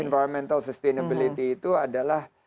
environmental sustainability itu adalah